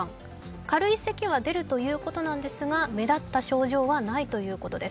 軽いせきは出るということですが、目立った症状はないということです。